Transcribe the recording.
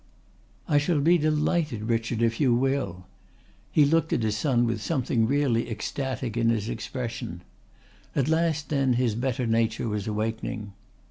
"I shall be delighted, Richard, if you will." He looked at his son with something really ecstatic in his expression. At last then his better nature was awakening.